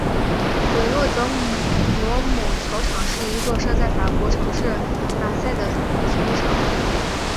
韦洛德罗姆球场是一座设在法国城市马赛的体育场。